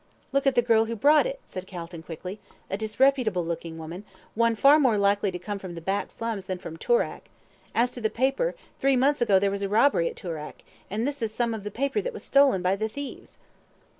"Look at the girl who brought it," said Calton, quickly. "A disreputable woman, one far more likely to come from the back slums than from Toorak. As to the paper, three months ago there was a robbery at Toorak, and this is some of the paper that was stolen by the thieves."